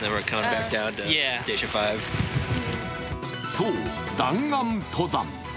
そう、弾丸登山。